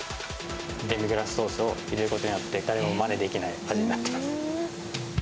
デミグラスソースを入れることによって、誰もまねできない味になっています。